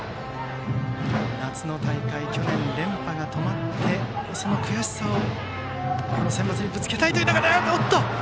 夏の大会、去年連覇が止まってその悔しさを、このセンバツにぶつけたいという中で。